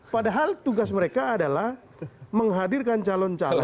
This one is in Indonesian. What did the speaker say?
padahal tugas mereka adalah menghadirkan calon calon